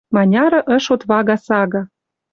Маняры ыш отвага сага